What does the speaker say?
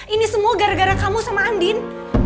ini semua gara gara kamu sama andin